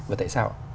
và tại sao